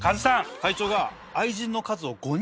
会長が。